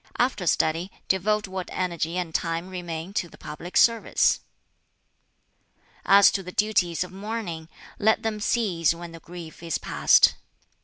After study devote what energy and time remain to the public service. "As to the duties of mourning, let them cease when the grief is past.